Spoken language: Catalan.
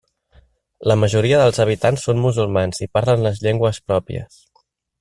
La majoria dels habitants són musulmans i parlen les llengües pròpies.